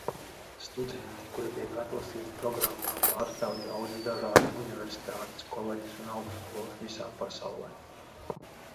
Studenti, kuri tiek atlasīti programmā, pārstāv daudz dažādas universitātes, koledžas un augstskolas visā pasaulē.